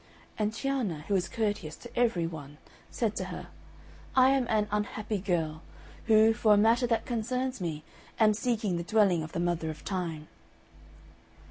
And Cianna, who was courteous to every one, said to her, "I am an unhappy girl, who, for a matter that concerns me, am seeking the dwelling of the Mother of Time."